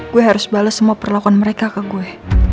gue harus bales semua perlakuan mereka ke gue